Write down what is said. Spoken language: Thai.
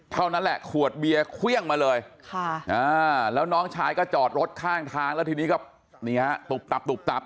เท่านั้นแหละขวดเบียร์เครื่องมาเลยแล้วน้องชายก็จอดรถข้างทางแล้วทีนี้ก็นี่ฮะตุบตับตุบตับ